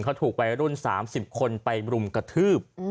เขาถูกวัยรุ่น๓๐คนไปรุมกระทืบ